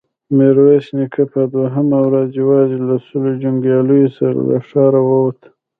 ميرويس نيکه په دوهمه ورځ يواځې له سلو جنګياليو سره له ښاره ووت.